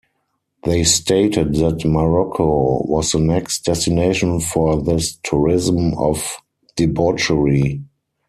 They stated that Morocco was the next destination for this "tourism of debauchery".